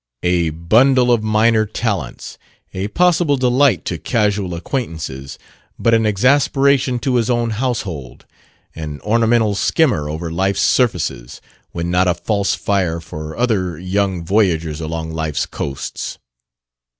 A bundle of minor talents; a possible delight to casual acquaintances, but an exasperation to his own household; an ornamental skimmer over life's surfaces, when not a false fire for other young voyagers along life's coasts.